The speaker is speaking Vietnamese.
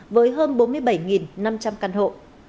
với hơn bốn mươi bảy năm trăm linh căn hộ